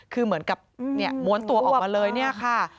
คือเหมือนกับม้วนตัวออกมาเลยเนี่ยค่ะ